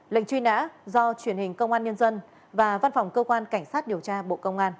lệnh truy nã do truyền hình công an nhân dân và văn phòng cơ quan cảnh sát điều tra bộ công an